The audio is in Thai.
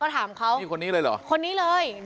มาถามเค้าคนนี้เลยหรอ